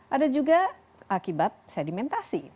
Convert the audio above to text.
ada juga akibat sedimentasi